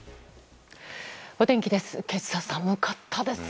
お天気です。